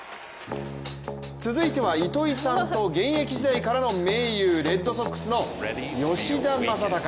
続いては糸井さんと現役時代からの盟友、レッドソックスの吉田正尚。